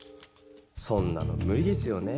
そんなのむ理ですよね。